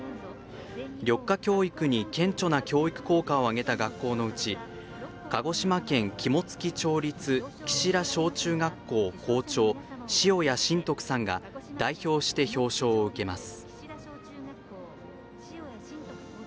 緑化教育に顕著な教育効果をあげた学校のうち鹿児島県肝付町立岸良小中学校校長、塩屋親徳さんが代表して表彰を受けます。